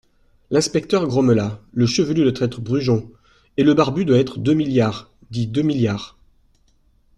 L'inspecteur grommela : Le chevelu doit être Brujon, et le barbu doit être Demi-Liard, dit Deux-Milliards.